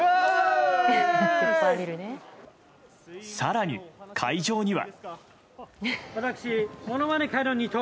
更に、会場には。